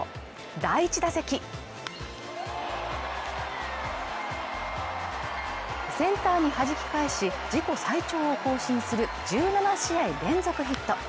第１打席センターにはじき返し自己最長を更新する１７試合連続ヒット